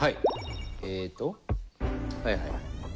えっとはいはい。